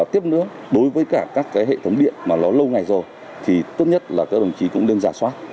tiếp nữa đối với cả các hệ thống điện mà nó lâu ngày rồi thì tốt nhất là các đồng chí cũng nên giả soát